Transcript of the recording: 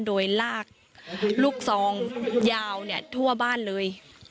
โดยลากลูกซองยาวทั่วบ้านเลย